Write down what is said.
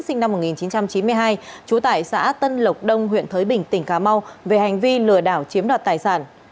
sinh năm một nghìn chín trăm chín mươi hai trú tại xã tân lộc đông huyện thới bình tỉnh cà mau về hành vi lừa đảo chiếm đoạt tài sản